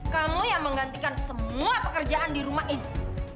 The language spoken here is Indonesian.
kamu yang menggantikan semua pekerjaan di rumah ini